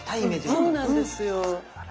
そうなんです。